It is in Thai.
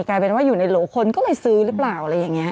กลายเป็นว่าอยู่ในโหลคนก็เลยซื้อหรือเปล่าอะไรอย่างนี้